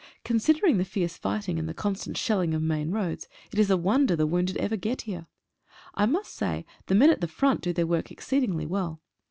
Considering the fierce fighting and the constant shelling of main roads it is a wonder the wounded ever get here. I must say the men at the front do their work exceedingly well.